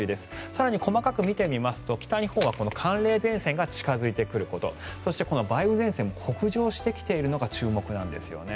更に細かく見てみますと北日本は寒冷前線が近付いてくることそして、梅雨前線も北上してきているのが注目なんですよね。